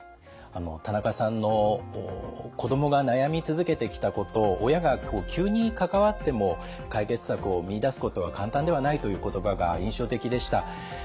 田中さんの「子どもが悩み続けてきたことを親が急に関わっても解決策を見いだすことは簡単ではない」という言葉が印象的でした。